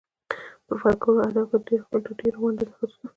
په فولکور ادب کې ډېره ونډه د ښځو ده.